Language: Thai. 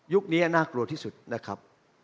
นี้น่ากลัวที่สุดนะครับ